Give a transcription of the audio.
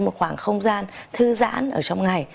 một khoảng không gian thư giãn trong ngày